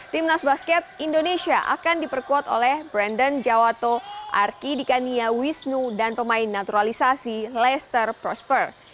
timnas basket indonesia akan diperkuat oleh brandon jawato arki dikania wisnu dan pemain naturalisasi lester prosper